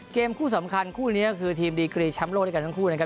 เกมคู่สำคัญคู่นี้ก็คือทีมดีกรีแชมป์โลกด้วยกันทั้งคู่นะครับ